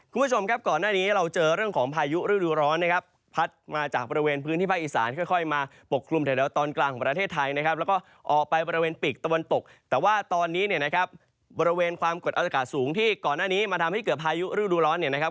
ความเกิดอาสกาสูงที่ก่อนหน้านี้มาทำให้เกือบพายุรื่อดูร้อนเนี่ยนะครับ